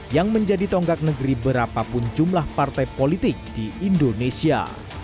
yang menjadi tonggak negeri berapapun jumlah partai politik di indonesia